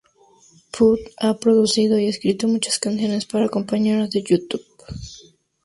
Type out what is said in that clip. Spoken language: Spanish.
Puth ha producido y escrito muchas canciones para compañeros de YouTube.